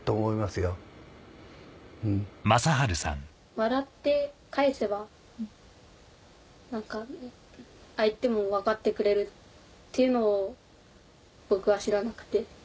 笑って返せば何か相手も分かってくれるっていうのを僕は知らなくて。